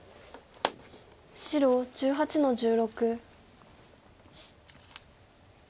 白１８の十六。